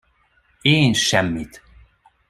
Én semmit.